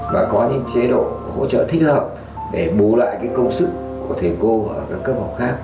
và có những chế độ hỗ trợ thích hợp để bù lại công sức của thầy cô ở các cấp học khác